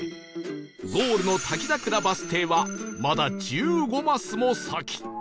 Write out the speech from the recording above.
ゴールの滝桜バス停はまだ１５マスも先